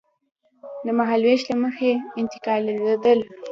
د مهالوېش له مخې انتقالېدل.